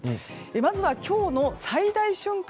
まずは今日の最大瞬間